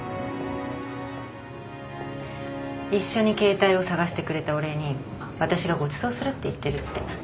・一緒に携帯を捜してくれたお礼に私がごちそうするって言ってるって。